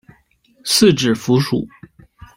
四指蝠属。